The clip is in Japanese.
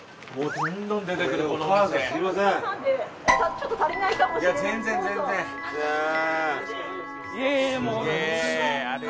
ちょっと足りないかもしれない。